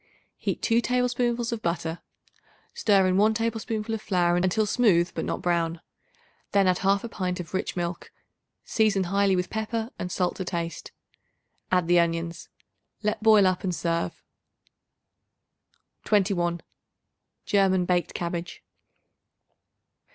Heat 2 tablespoonfuls of butter. Stir in 1 tablespoonful of flour until smooth but not brown; then add 1/2 pint of rich milk; season highly with pepper, and salt to taste. Add the onions; let boil up and serve. 21. German Baked Cabbage.